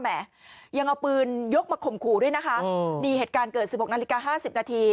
แหมยังเอาปืนยกมาข่มขู่ด้วยนะคะนี่เหตุการณ์เกิด๑๖นาฬิกา๕๐นาที